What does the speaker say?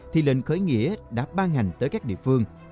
thì lệnh khởi nghĩa đã ban hành tới các địa phương